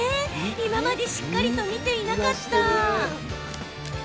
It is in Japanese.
今までしっかりと見ていなかった。